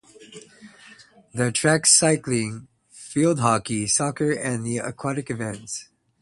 The track cycling, field hockey, soccer, and the aquatic events.